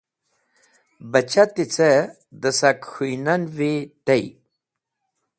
Bachati ce dẽ sak k̃hũynan’vi tey.